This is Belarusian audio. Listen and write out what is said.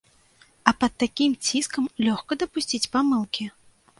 А пад такім ціскам лёгка дапусціць памылкі.